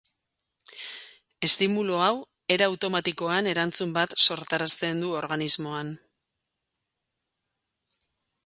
Estimulu hau era automatikoan erantzun bat sortarazten du organismoan.